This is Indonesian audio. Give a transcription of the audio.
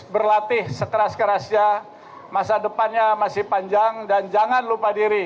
berlatih sekeras kerasnya masa depannya masih panjang dan jangan lupa diri